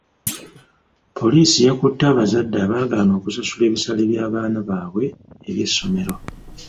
Poliisi yakutte abazadde abaagana okusasula ebisale by'abaana baabwe eby'essomero.